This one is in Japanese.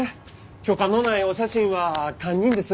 許可のないお写真は堪忍です。